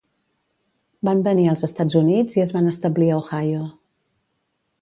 Van venir als Estats Units i es van establir a Ohio.